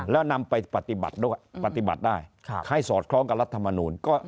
แล้วนำไปปฏิบัติได้ให้สอดคล้องกับรัฐธรรมนูญ